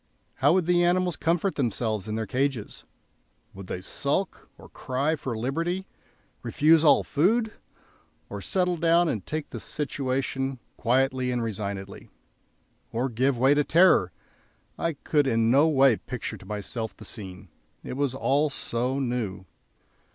How would the animals comport themselves in their cages? Would they sulk or cry for liberty, refuse all food? or settle down and take the situation quietly and resignedly, or give way to terror? I could in no way picture to myself the scene; it was all so new.